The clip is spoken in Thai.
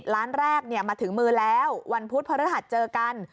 ล้านแรกมาถึงมือแล้ววันพุธพระฤหัสเจอกัน